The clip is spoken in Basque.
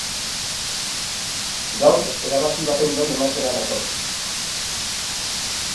Gaur erabaki baten berri ematera nator.